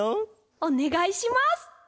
おねがいします。